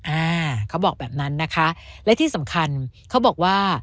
อ่าเขาบอกแบบนั้นนะคะและที่สำคัญเขาบอกว่า